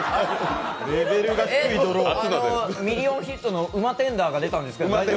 ミリオンヒットの「うまテンダー」が出たんですけど？